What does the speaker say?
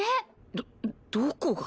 どどこが。